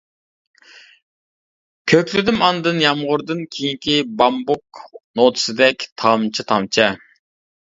كۆكلىدىم ئاندىن يامغۇردىن كېيىنكى بامبۇك نوتىسىدەك تامچە-تامچە.